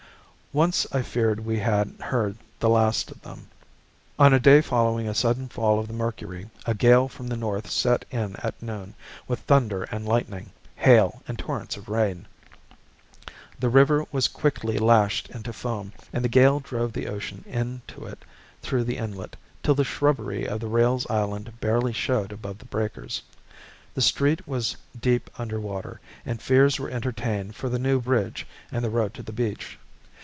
Once I feared we had heard the last of them. On a day following a sudden fall of the mercury, a gale from the north set in at noon, with thunder and lightning, hail, and torrents of rain. The river was quickly lashed into foam, and the gale drove the ocean into it through the inlet, till the shrubbery of the rails' island barely showed above the breakers. The street was deep under water, and fears were entertained for the new bridge and the road to the beach.